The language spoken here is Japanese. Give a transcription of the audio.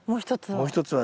もう一つは？